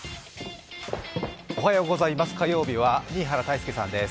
おはようございます。